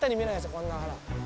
こんな花。